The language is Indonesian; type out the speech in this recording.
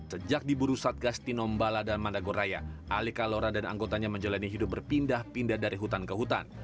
sejak diburu satgas tinombala dan mandagoraya ali kalora dan anggotanya menjalani hidup berpindah pindah dari hutan ke hutan